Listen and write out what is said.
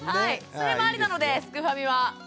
それもありなのですくファミは。